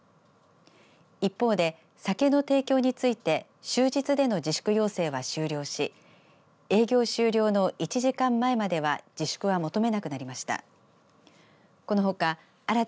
一方で、酒の提供について終日での自粛要請は終了し営業終了の１時間前までは自粛は求めなくなりました。